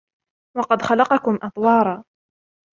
وقد خلقكم أطوارا